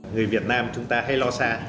người việt nam chúng ta hay lo xa